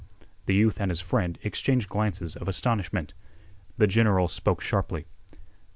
The youth and his friend exchanged glances of astonishment. The general spoke sharply.